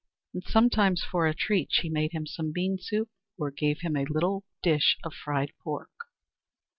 And sometimes, for a treat, she made him some bean soup, or gave him a little dish of fried pork.